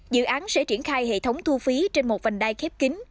dự án sẽ triển khai hệ thống thu phí trên một vành đai khép kính